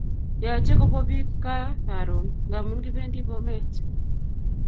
Yache kopwa pi kaa karon ngamun kipendi Bomet